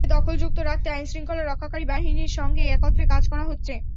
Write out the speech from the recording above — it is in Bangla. স্থায়ীভাবে দখলমুক্ত রাখতে আইনশৃঙ্খলা রক্ষাকারী বাহিনীর সঙ্গে একত্রে কাজ করা হচ্ছে।